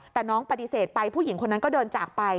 แต่น้องปฏิเสธไปผู้หญิงคนนั้นก็เดินจากไป